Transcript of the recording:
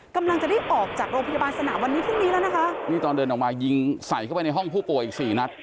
กำลังจะได้ออกจากโรงพยาบาลสนามวันนี้พรุ่งนี้แล้วนะคะนี่ตอนเดินออกมายิงใส่เข้าไปในห้องผู้ป่วยอีกสี่นัด